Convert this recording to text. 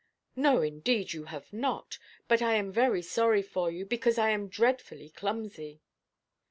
"No, indeed, you have not. But I am very sorry for you, because I am dreadfully clumsy."